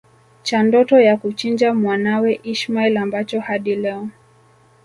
cha ndoto ya kuchinja mwanawe ismail ambacho hadi Leo